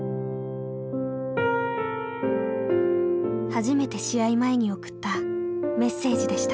初めて試合前に送ったメッセージでした。